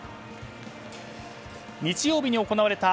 日曜日に行われた